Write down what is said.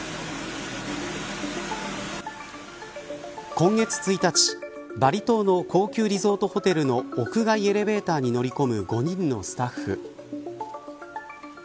今月１日バリ島の高級リゾートホテルの屋外エレベーターに乗り込む５人のスタッフ。